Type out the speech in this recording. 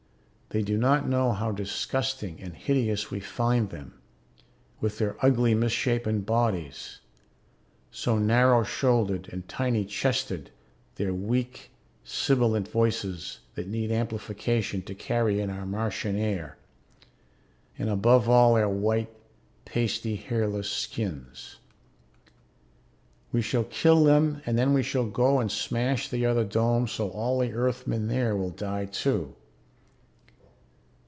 They do not know how disgusting and hideous we find them, with their ugly misshapen bodies, so narrow shouldered and tiny chested, their weak sibilant voices that need amplification to carry in our Martian air, and above all their white pasty hairless skins. We shall kill them and then we shall go and smash the other dome so all the Earthmen there will die too.